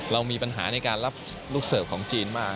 เรามีปัญหาในการรับลูกเสิร์ฟของจีนมาก